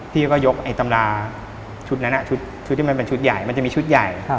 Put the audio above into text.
พี่ก็ยกไอ้ตำราชุดนั้นชุดที่มันเป็นชุดใหญ่มันจะมีชุดใหญ่